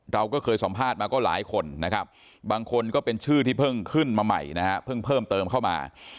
เราก็เคยสัมภาษณ์มาก็หลายคนนะครับบางคนก็เป็นชื่อที่เพิ่งขึ้นมาใหม่นะฮะเพิ่งเพิ่มเติมเข้ามา